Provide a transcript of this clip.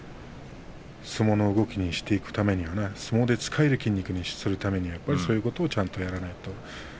相撲の動きにしていくためには相撲で使える筋肉にするためにはやっぱりそういうことをやらないと。